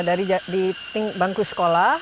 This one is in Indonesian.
dari bangku sekolah